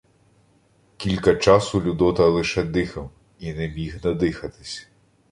Кілька часу Людота лише дихав і не міг надихатись.